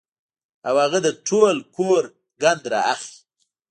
او هغه د ټول کور ګند را اخلي